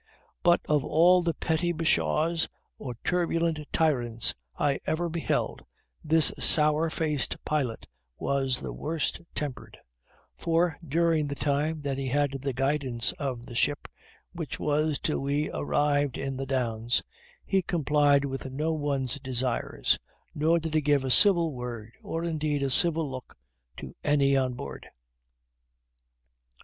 But of all the petty bashaws or turbulent tyrants I ever beheld, this sour faced pilot was the worst tempered; for, during the time that he had the guidance of the ship, which was till we arrived in the Downs, he complied with no one's desires, nor did he give a civil word, or indeed a civil look, to any on board.